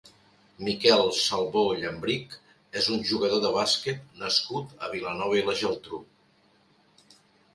Miquel Salvó Llambrich és un jugador de bàsquet nascut a Vilanova i la Geltrú.